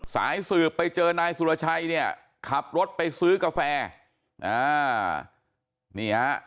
สายสืบไปเจอนายสุรชัยเนี่ยขับรถไปซื้อกาแฟอ่านี่ฮะ